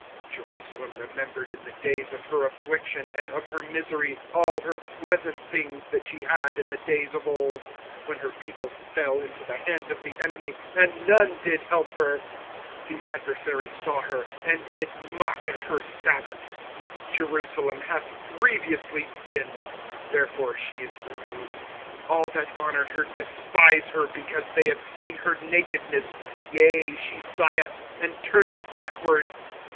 25:001:007 Jerusalem remembered in the days of her affliction and of her miseries all her pleasant things that she had in the days of old, when her people fell into the hand of the enemy, and none did help her: the adversaries saw her, and did mock at her sabbaths. 25:001:008 Jerusalem hath grievously sinned; therefore she is removed: all that honoured her despise her, because they have seen her nakedness: yea, she sigheth, and turneth backward.